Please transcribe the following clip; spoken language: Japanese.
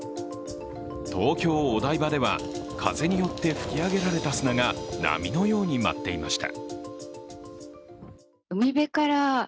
東京・お台場では風によって吹き上げられた砂が波のように舞っていました。